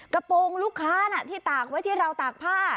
กระโปรงลูกค้าที่ตากไว้ที่ราวตากผ้า